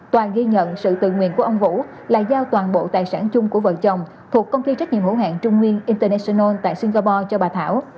toàn ghi nhận sự tự nguyện của ông vũ là giao toàn bộ tài sản chung của vợ chồng thuộc công ty trách nhiệm hữu hạng trung nguyên international tại singapore cho bà thảo